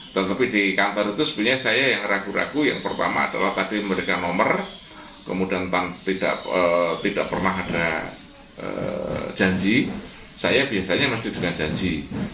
tetapi di kantor itu sebenarnya saya yang ragu ragu yang pertama adalah tadi memberikan nomor kemudian tidak pernah ada janji saya biasanya mesti dengan janji